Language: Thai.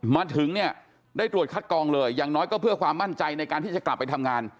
มาถึงเนี่ยได้ตรวจคัดกองเลยอย่างน้อยก็เพื่อความมั่นใจในการที่จะกลับไปทำงาน